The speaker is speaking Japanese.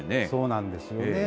そうなんですよね。